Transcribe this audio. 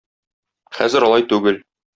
Хәзер алай түгел.